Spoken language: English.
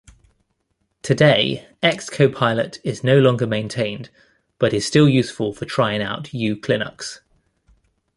Today Xcopilot is no longer maintained but is still useful for trying out uClinux.